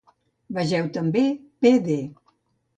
Vegeu també Pd.